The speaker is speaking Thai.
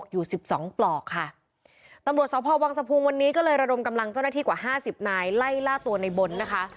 อยู่สิบสองปลอกค่ะตำรวจสพวังสะพุงวันนี้ก็เลยระดมกำลังเจ้าหน้าที่กว่าห้าสิบนายไล่ล่าตัวในบนนะคะ